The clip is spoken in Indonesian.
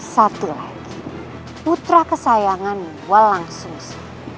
satu lagi putra kesayanganmu walang sungsu